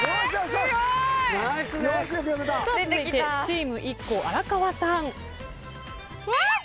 続いてチームＩＫＫＯ荒川さん。